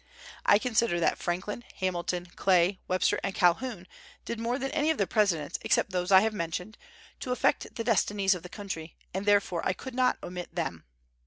I consider that Franklin, Hamilton, Clay, Webster, and Calhoun did more than any of the presidents, except those I have mentioned, to affect the destinies of the country, and therefore I could not omit them.